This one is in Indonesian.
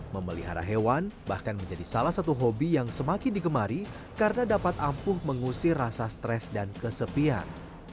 memelihara hewan bahkan menjadi salah satu hobi yang semakin digemari karena dapat ampuh mengusir rasa stres dan kesepian